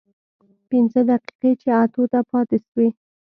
پينځه دقيقې چې اتو ته پاتې سوې.